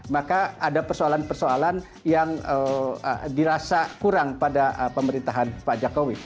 maka ada persoalan persoalan yang dirasa kurang pada pemerintahan pak jokowi